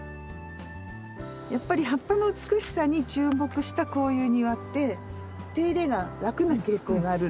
やっぱり葉っぱの美しさに注目したこういう庭って手入れが楽な傾向があるんですよね。